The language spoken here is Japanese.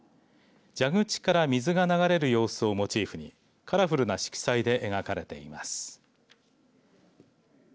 蛇口から水が流れる様子をモチーフにカラフルな色彩で描かれています。